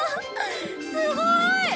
すごーい！